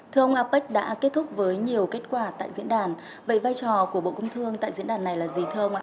thưa ông apec đã kết thúc với nhiều kết quả tại diễn đàn vậy vai trò của bộ công thương tại diễn đàn này là gì thưa ông ạ